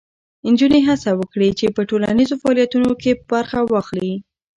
نجونې هڅه وکړي چې په ټولنیزو فعالیتونو کې برخه واخلي.